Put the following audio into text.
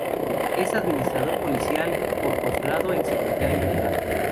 Es Administrador Policial con postgrado en Seguridad Integral.